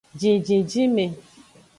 Jinjinjinme.